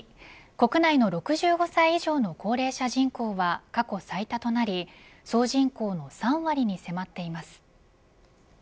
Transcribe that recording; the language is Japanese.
国内の６５歳以上の高齢者人口は過去最多となり総人口の３割に迫っています。